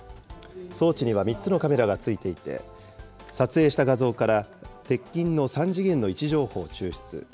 装置には３つのカメラが付いていて、撮影した画像から鉄筋の３次元の位置情報を抽出。